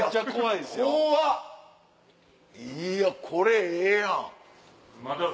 いやこれええやん。